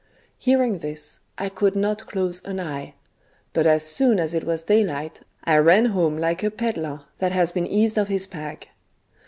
Hearing this I could not close an eye ; but as soon as it was daylight, I ran home like a pedlar that has been eased of his pack.